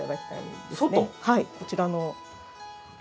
はいこちらの什器。